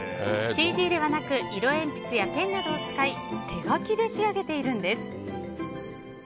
ＣＧではなく色鉛筆やペンなどを使い手書きで仕上げているんです。